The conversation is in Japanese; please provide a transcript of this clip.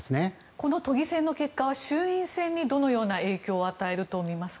この都議選の結果は衆院選にどのような影響を与えると見ますか？